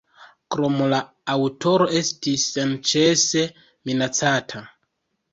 Krome la aŭtoro estis senĉese minacata.